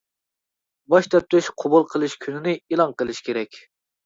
باش تەپتىش قوبۇل قىلىش كۈنىنى ئېلان قىلىش كېرەك.